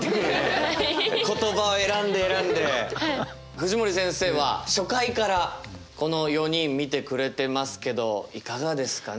藤森先生は初回からこの４人見てくれてますけどいかがですかね？